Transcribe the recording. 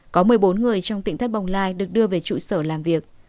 có một mươi bốn người trong tỉnh thất bồng lai được đưa về trụ sở làm việc